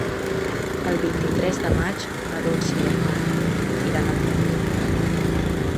El vint-i-tres de maig na Dolça i en Marc iran al teatre.